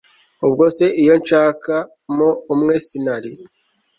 ubwo se iyo nshaka mo umwe sinari